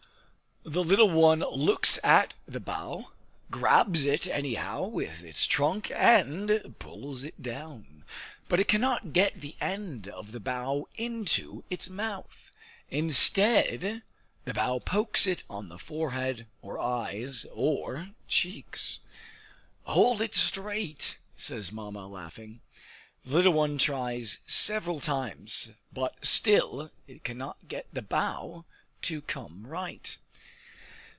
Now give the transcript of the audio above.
The little one looks at the bough, grabs it anyhow with its trunk, and pulls it down. But it cannot get the end of the bough into its mouth! Instead, the bough pokes it on the forehead, or eyes, or cheeks. "Hold it straight!" says Mamma, laughing. The little one tries several times, but still it cannot get the bough to come right.